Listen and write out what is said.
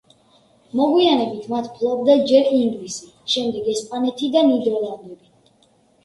მოგვიანებით მათ ფლობდა ჯერ ინგლისი, შემდეგ ესპანეთი და ნიდერლანდები.